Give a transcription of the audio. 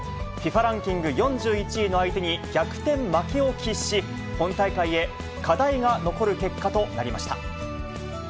ランキング４１位の相手に逆転負けを喫し、本大会へ課題が残る結果となりました。